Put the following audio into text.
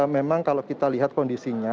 memang kalau kita lihat kondisinya